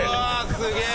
すげえ！